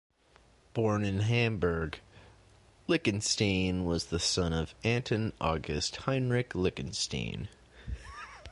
Born in Hamburg, Lichtenstein was the son of Anton August Heinrich Lichtenstein.